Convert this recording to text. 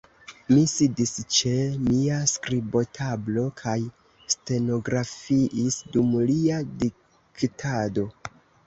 Mi sidis ĉe mia skribotablo, kaj stenografiis dum lia diktado.